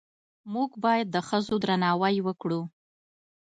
موږ باید د ښځو درناوی وکړو